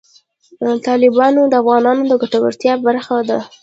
تالابونه د افغانانو د ګټورتیا برخه ده.